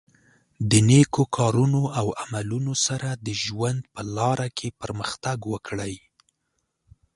د نېکو کارونو او عملونو سره د ژوند په لاره کې پرمختګ وکړئ.